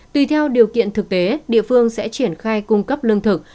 tùy theo điều kiện thực tế địa phương sẽ triển khai cung cấp lương thực